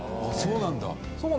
そうなんだ。